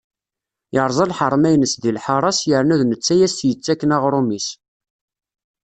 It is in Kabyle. Yeṛẓa lḥerma-ines deg lḥara-s yerna d netta i as-yettakken aɣṛum-is.